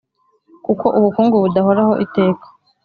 kuko ubukungu budahoraho iteka